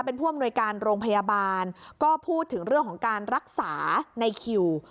เป็นผู้อำนวยการโรงพยาบาลก็พูดถึงเรื่องของการรักษาในคิว